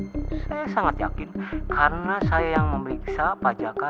saya sangat yakin karena saya yang memeriksa pak jaka